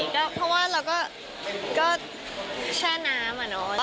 ก็เพราะว่าเราก็แช่น้ำอะเนาะ